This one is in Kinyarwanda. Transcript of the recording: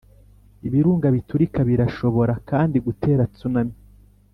ibirunga biturika birashobora kandi gutera tsunami.